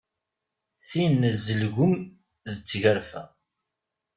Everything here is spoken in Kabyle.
Tin n Zelgum d tgerfa.